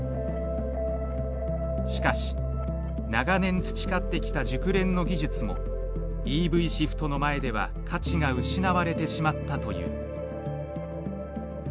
しかし長年培ってきた熟練の技術もＥＶシフトの前では価値が失われてしまったという。